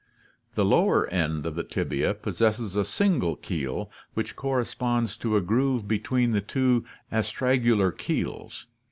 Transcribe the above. The lower end of the tibia possesses a single keel which corresponds to a groove between the two as tragalar keels.